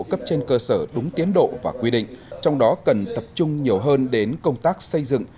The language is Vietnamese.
cấp trên cơ sở đúng tiến độ và quy định trong đó cần tập trung nhiều hơn đến công tác xây dựng